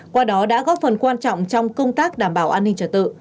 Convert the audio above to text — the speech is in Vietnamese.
qua đó đã góp phần quan trọng trong công tác đảm bảo an ninh trật tự